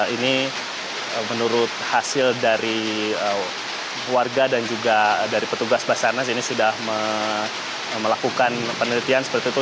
ini menurut hasil dari warga dan juga dari petugas basarnas ini sudah melakukan penelitian seperti itu